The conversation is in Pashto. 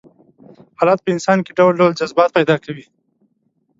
حالات په انسان کې ډول ډول جذبات پيدا کوي.